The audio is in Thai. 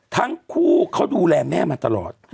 ทั้งคู่เขาดูแลแม่มาตลอด